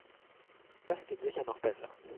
Das geht sicher noch besser.